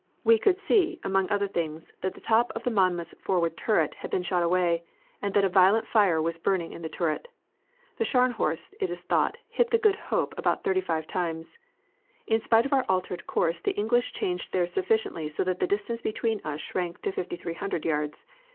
We could see, among other things, that the top of the Monmouth's forward turret had been shot away, and that a violent fire was burning in the turret. The Scharnhorst, it is thought, hit the Good Hope about thirty five times. In spite of our altered course the English changed theirs sufficiently so that the distance between us shrunk to 5,300 yards.